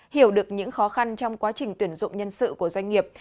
hiểu được những khó khăn trong quá trình tuyển dụng nhân sự của doanh nghiệp